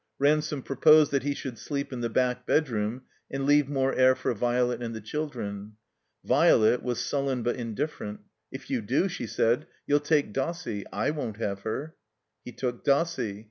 Ransome proposed that he should sleep in the back bedroom and leave more air for Violet and the children. Violet was sullen but indifferent. "If you do," she said, "you'll take Dossie. / won't have her." He took Dossie.